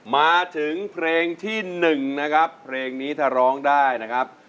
มาถึงเพลงที่๑นะครับเพลงนี้ถ้าร้องได้นะครับ